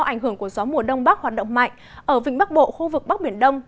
ảnh hưởng của gió mùa đông bắc hoạt động mạnh ở vịnh bắc bộ khu vực bắc biển đông